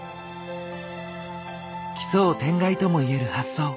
奇想天外ともいえる発想。